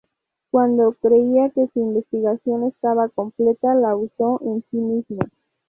Cuando creía que su investigación estaba completa, la usó en sí mismo.